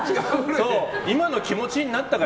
今の気持ちになったから。